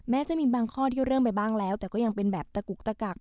จะมีบางข้อที่เริ่มไปบ้างแล้วแต่ก็ยังเป็นแบบตะกุกตะกัก